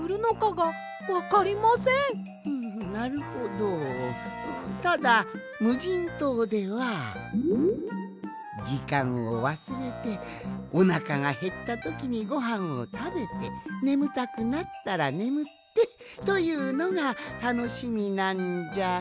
ふむなるほどただむじんとうではじかんをわすれておなかがへったときにごはんをたべてねむたくなったらねむってというのがたのしみなんじゃが。